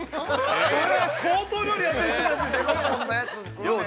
◆相当料理やってる人のやつですよね。